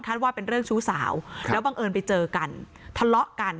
ว่าเป็นเรื่องชู้สาวแล้วบังเอิญไปเจอกันทะเลาะกัน